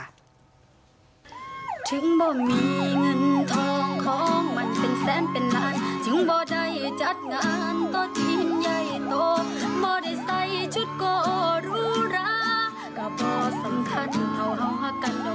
ดอกหัวใจขอฟ้าถิ่นเป็นพยานผู้ครองสองเท่า